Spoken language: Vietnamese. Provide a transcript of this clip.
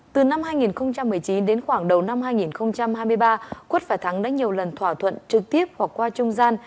từ năm hai nghìn một mươi chín đến khoảng đầu năm hai nghìn hai mươi ba quất và thắng đã nhiều lần thỏa thuận trực tiếp hoặc qua trung gian